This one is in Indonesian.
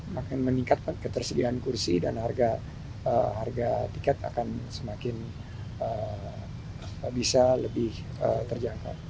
makin meningkat ketersediaan kursi dan harga tiket akan semakin bisa lebih terjangkau